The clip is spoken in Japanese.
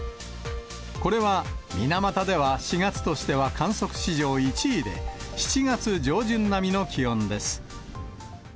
これは水俣では４月としては観測史上１位で、７月上旬並みの気温です。